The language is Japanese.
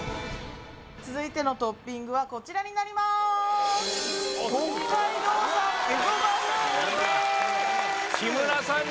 続いてのトッピングはこちらになります木村さん